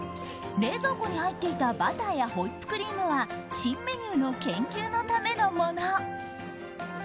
冷蔵庫に入っていたバターやホイップクリームは新メニューの研究のためのもの。